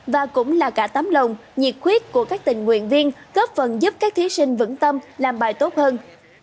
và cũng là cả tấm lòng nhiệt khuyết của các tình nguyện viên góp phần giúp các thí sinh vững tâm làm bài tốt hơn